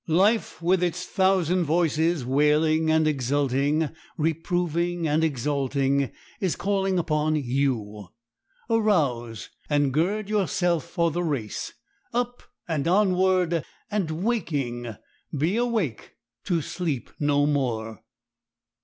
Life, with its thousand voices wailing and exulting, reproving and exalting, is calling upon you. Arouse, and gird yourself for the race. Up and onward, and "Waking, Be awake to sleep no more."